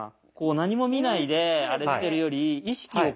何も見ないであれしてるより意識をこう。